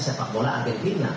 sepak bola argentina